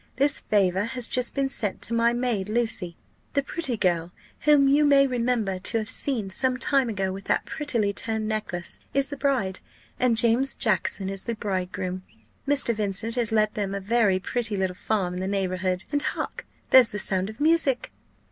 This favour has just been sent to my maid. Lucy, the pretty girl whom you may remember to have seen some time ago with that prettily turned necklace, is the bride, and James Jackson is the bridegroom. Mr. Vincent has let them a very pretty little farm in the neighbourhood, and hark! there's the sound of music."